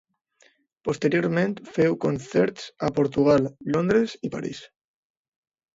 Posteriorment féu concerts a Portugal, Londres i París.